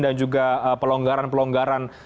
dan juga pelonggaran pelonggaran